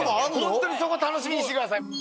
ほんとにそこ楽しみにしてください。